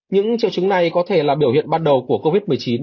những triệu chứng này có thể là biểu hiện ban đầu của covid một mươi chín